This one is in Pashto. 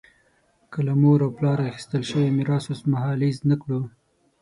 که له مور او پلار اخیستل شوی میراث اوسمهالیز نه کړو.